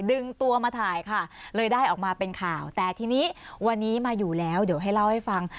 ดึงตัวมาถ่ายค่ะเลยได้ออกมาเป็นข่าวแต่ทีนี้วันนี้มาอยู่แล้วเดี๋ยวให้เล่าให้ฟัง